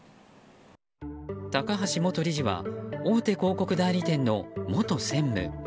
高橋元理事は大手広告代理店の元専務。